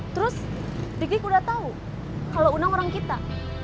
terus dikik udah tau kalo unang orang kita